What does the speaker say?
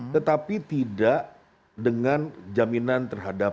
tetapi tidak dengan jaminan terhadap